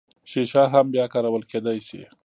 شیشه هم بیا کارول کیدی شي